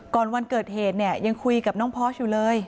ก่อนวันเกิดเหตุยังคุยกับน้องพอร์ชอยู่เลย